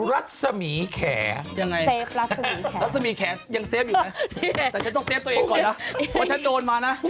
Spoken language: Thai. รัศมีแขกยังเซฟอยู่นะแต่ฉันต้องเซฟตัวเองก่อนล่ะเพราะฉันโจรมานะ